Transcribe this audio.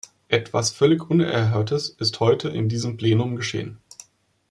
Etwas völlig Unerhörtes ist heute in diesem Plenum geschehen.